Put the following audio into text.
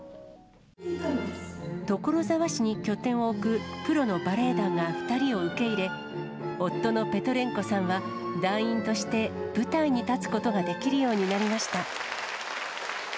所沢市に拠点を置くプロのバレエ団が２人を受け入れ、夫のペトレンコさんは団員として舞台に立つことができるようになりました。